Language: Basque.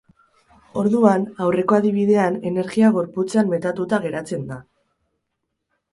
Orduan, aurreko adibidean, energia gorputzean metatuta geratzen da.